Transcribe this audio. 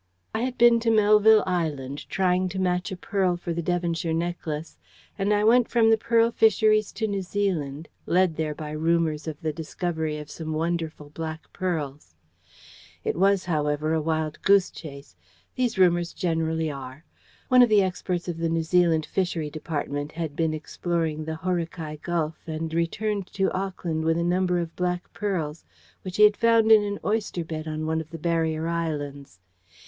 I had been to Melville Island trying to match a pearl for the Devonshire necklace, and I went from the pearl fisheries to New Zealand, led there by rumours of the discovery of some wonderful black pearls. It was, however, a wild goose chase. These rumours generally are. One of the experts of the New Zealand Fishery Department had been exploring the Haurakai Gulf, and returned to Auckland with a number of black pearls, which he had found in an oyster bed on one of the Barrier Islands.